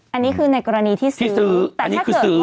อันนี้คือในกรณีที่ซื้อ